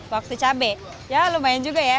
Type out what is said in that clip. waktu cabai ya lumayan juga ya